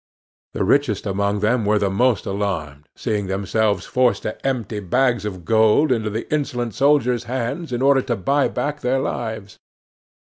The richest among them were the most alarmed, seeing themselves forced to empty bags of gold into the insolent soldier's hands in order to buy back their lives.